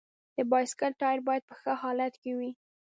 د بایسکل ټایر باید په ښه حالت کې وي.